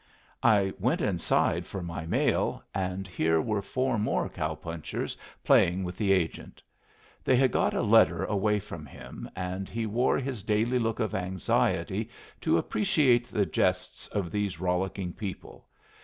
I went inside for my mail, and here were four more cow punchers playing with the agent. They had got a letter away from him, and he wore his daily look of anxiety to appreciate the jests of these rollicking people.